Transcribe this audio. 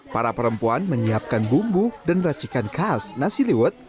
para perempuan menyiapkan bumbu dan racikan khas nasi liwet